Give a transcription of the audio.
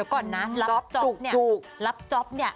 ก่อนนะรับจ๊อปเนี่ย